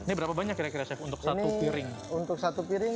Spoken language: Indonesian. ini berapa banyak kira kira chef untuk satu piring